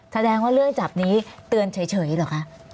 แสดงว่าเรื่องจับนี้เตือนเฉยเหรอคะ